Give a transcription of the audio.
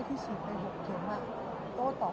พี่คิดว่าเข้างานทุกครั้งอยู่หรือเปล่า